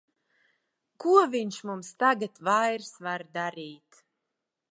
Ko viņš mums tagad vairs var darīt!